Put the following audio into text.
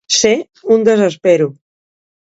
Ser un «desespero».